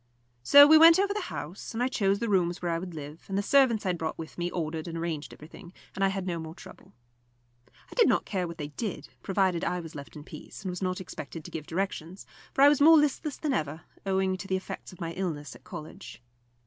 So we went over the house, and I chose the rooms where I would live; and the servants I had brought with me ordered and arranged everything, and I had no more trouble. I did not care what they did, provided I was left in peace, and was not expected to give directions; for I was more listless than ever, owing to the effects of my illness at college.